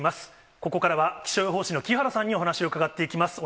ここからは、気象予報士の木原さんにお話を伺っていきます。